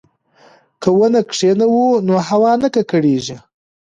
که ونې کښېنوو نو هوا نه ککړیږي.